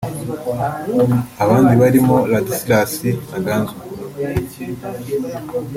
Abandi barimo Ladislas Ntaganzwa